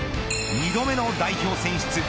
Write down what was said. ２度目の代表選出